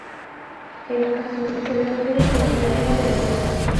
En ocasiones, se le refiere como "la Cuna de la Libertad".